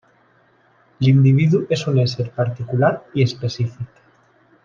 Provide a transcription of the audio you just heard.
L'individu és un ésser particular i específic.